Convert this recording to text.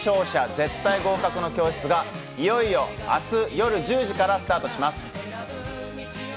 絶対合格の教室ー』がいよいよ明日夜１０時からスタートします。